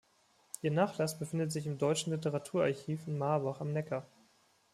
Ihr Nachlass befindet sich im Deutschen Literaturarchiv in Marbach am Neckar.